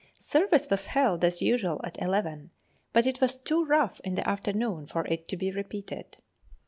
Service was held as usual at eleven, but it was too rough in the afternoon for it to be repeated.